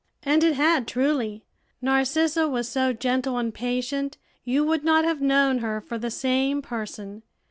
And it had, truly. Narcissa was so gentle and patient, you would not have known her for the same person.